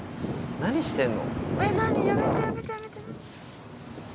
何してんの？